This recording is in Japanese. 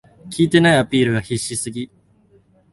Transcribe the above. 効いてないアピールが必死すぎ